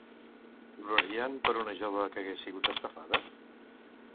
Plorarien per una jove que hagués sigut estafada?